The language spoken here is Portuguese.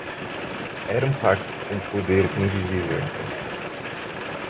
Era um pacto com o poder invisível.